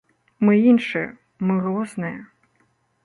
Мы іншыя, мы розныя.